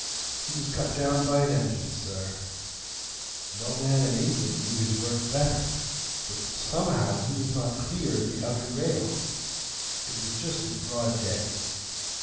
"He was cut down by an engine, sir. No man in England knew his work better. But somehow he was not clear of the outer rail. It was just at broad day.